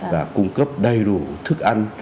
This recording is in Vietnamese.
và cung cấp đầy đủ thức ăn